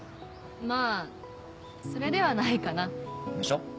まぁそれではないかな。でしょ？